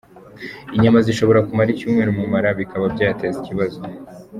Inyama zishobora kumara icyumweru mu mara, bikaba byayateza ikibazo.